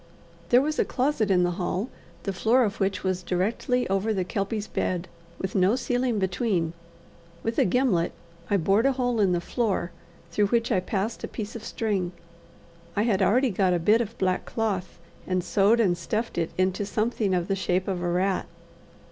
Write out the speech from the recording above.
There was a closet in the hall, the floor of which was directly over the Kelpie's bed, with no ceiling between. With a gimlet I bored a hole in the floor, through which I passed a piece of string. I had already got a bit of black cloth, and sewed and stuffed it into something of the shape of a rat.